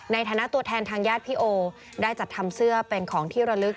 ในฐานะตัวแทนทางญาติพี่โอได้จัดทำเสื้อเป็นของที่ระลึก